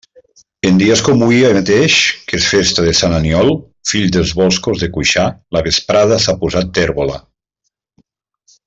En dies com hui mateix, que és festa de sant Aniol, fill dels boscos de Cuixà, la vesprada s'ha posat térbola.